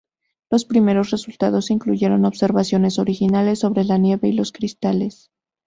Los primeros resultados incluyeron observaciones originales sobre la nieve y los cristales.